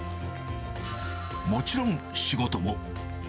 もちろん仕事も。